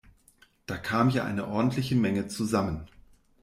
Da kam ja eine ordentliche Menge zusammen!